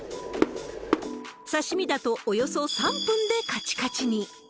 刺身だとおよそ３分でかちかちに。